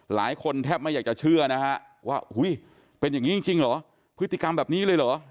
หลายคนแทบไม่อยากจะเชื่อนะฮะว่าอุ้ยเป็นอย่างนี้จริงเหรอพฤติกรรมแบบนี้เลยเหรอ